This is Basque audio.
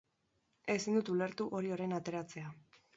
Ezin dut ulertu hori orain ateratzea.